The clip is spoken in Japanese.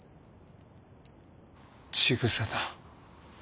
ちぐさだ。